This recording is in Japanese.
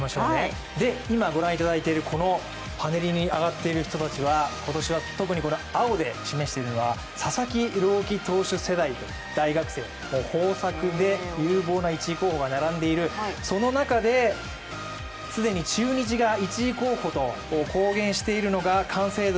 今、ご覧いただいているこのパネルに上がっている人たちは特にこの青で示している人たち佐々木朗希投手世代と、大学生、豊作で有望な１位候補が並んでいる、その中で１位候補と公言しているのが完成度